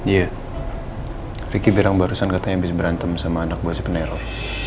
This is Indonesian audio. iya ricky bilang barusan katanya habis berantem sama anak buah si penero